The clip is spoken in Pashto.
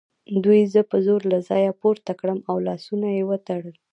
دوی زه په زور له ځایه پورته کړم او لاسونه یې وتړل